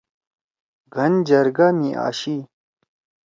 گھن جرگہ می آشی۔